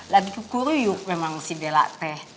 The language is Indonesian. lagi kekuryuk memang si bella teh